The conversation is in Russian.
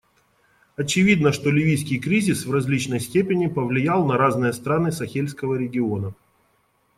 Очевидно, что ливийский кризис в различной степени повлиял на разные страны Сахельского региона.